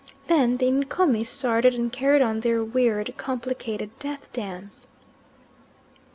Then the Ncomi started and carried on their weird, complicated death dance.